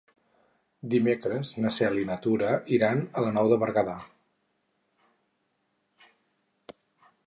Dimecres na Cel i na Tura iran a la Nou de Berguedà.